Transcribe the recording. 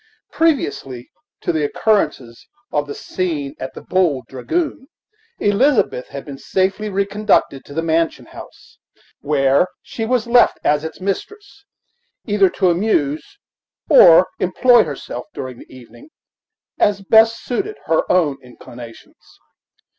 Previously to the occurrence of the scene at the "Bold Dragoon," Elizabeth had been safely reconducted to the mansion house, where she was left as its mistress, either to amuse or employ herself during the evening as best suited her own inclinations.